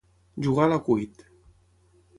Jugar a l'acuit.